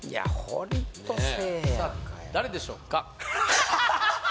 さあ誰でしょうか？